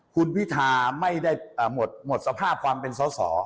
คุณพิธาไม่ได้หมดสภาพความเป็นสอสอ